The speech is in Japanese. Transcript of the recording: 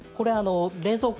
冷蔵庫